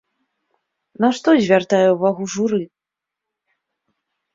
На што звяртае ўвагу журы?